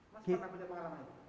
mas pernah punya pengalaman